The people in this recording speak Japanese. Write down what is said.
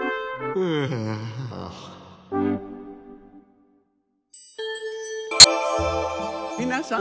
うん！